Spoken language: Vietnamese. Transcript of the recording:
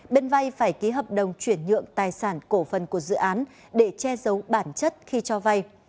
bên vay phải ký hợp đồng chuyển nhượng tài sản cổ phần của dự án để che giấu bản chất khi cho vay